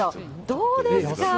どうですか？